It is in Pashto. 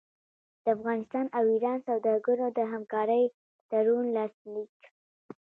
د افغانستان او ایران سوداګرو د همکارۍ تړون لاسلیک